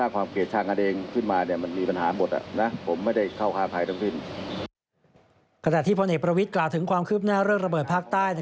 ขณะที่พลเอกประวิทย์กล่าวถึงความคืบหน้าเรื่องระเบิดภาคใต้